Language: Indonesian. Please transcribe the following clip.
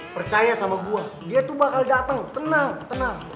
percaya sama gue dia tuh bakal datang tenang tenang